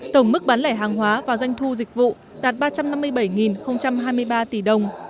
tổng mức bán lẻ hàng hóa và doanh thu dịch vụ đạt ba trăm năm mươi bảy hai mươi ba tỷ đồng